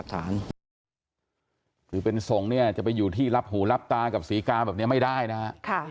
คือเป็นสงฆ์เนี่ยจะไปอยู่ที่รับหูรับตากับศรีกาแบบนี้ไม่ได้นะฮะ